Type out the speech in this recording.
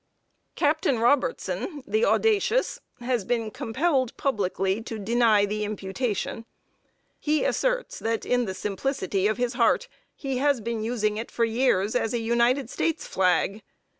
Captain Robertson, the "audacious," has been compelled, publicly, to deny the imputation. He asserts that, in the simplicity of his heart, he has been using it for years as a United States flag.